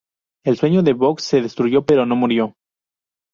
El sueño de Boggs se destruyó pero no murió.